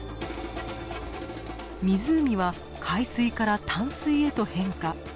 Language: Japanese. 湖は海水から淡水へと変化。